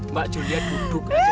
mbak julia duduk aja